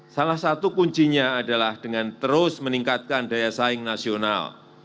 salah satu kuncinya adalah dengan terus meningkatkan daya saing nasional